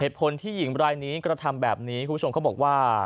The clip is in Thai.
เหตุผลที่หญิงรายนี้กระทำแบบนี้คุณผู้ชมเขาบอกว่า